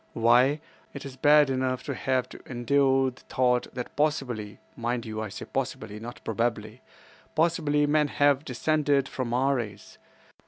Why, it is bad enough to have to endure the thought that possibly—mind you, I say possibly, not probably—possibly men have descended from our race.